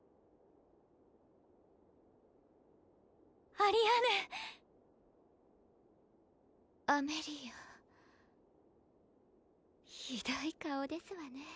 アリアーヌアメリアひどい顔ですわね